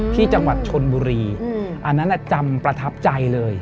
ที่จังหวัดชนบุรีอันนั้นจำประทับใจเลย